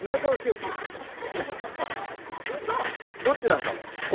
どっちなんだろう？